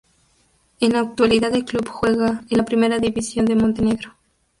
En la actualidad el club juega en la Primera División de Montenegro.